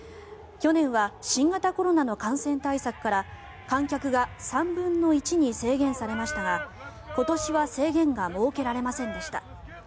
去年は新型コロナの感染対策から観客が３分の１に制限されましたが今年は制限が設けられませんでした。